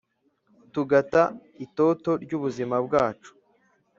Tugata itoto ry’ubuzima bwacu